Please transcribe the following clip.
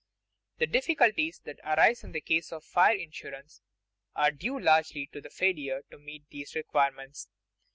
_ The difficulties that arise in case of fire insurance are due largely to the failure to meet these requirements.